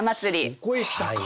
そこへ来たか！